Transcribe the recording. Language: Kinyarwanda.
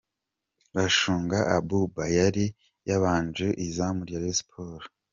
Bashunga Abouba yari yabanje mu izamu rya Rayon Sports.